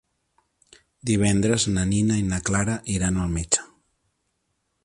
Divendres na Nina i na Clara iran al metge.